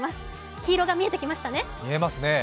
黄色が見えてきましたね。